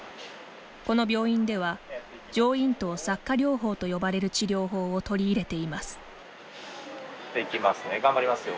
この病院では上咽頭擦過療法と呼ばれる治療法を取り入れています。